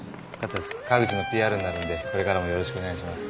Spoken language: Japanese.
川口のＰＲになるんでこれからもよろしくお願いします。